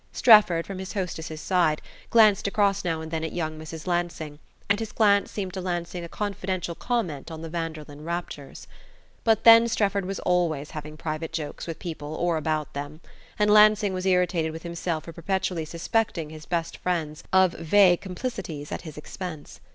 Strefford, from his hostess's side, glanced across now and then at young Mrs. Lansing, and his glance seemed to Lansing a confidential comment on the Vanderlyn raptures. But then Strefford was always having private jokes with people or about them; and Lansing was irritated with himself for perpetually suspecting his best friends of vague complicities at his expense.